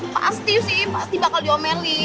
pasti sih pasti bakal diomeli